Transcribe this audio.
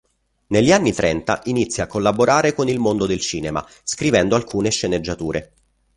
Negli anni trenta inizia a collaborare con il mondo del cinema scrivendo alcune sceneggiature.